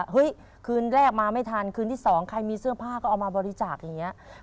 คืนแรกมาไม่ทันคืนที่๒ใครมีเสื้อผ้าก็เอามาบริจาคอย่างนี้